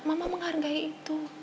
mama menghargai itu